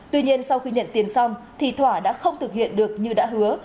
tuy nhiên sau khi nhận tiền xong thì thỏa đã không thực hiện được như đã hứa